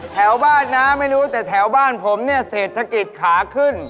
แถวบ้านน้ำไม่รู้แต่แถวบ้านผมเศษฐกิจขาขึ้น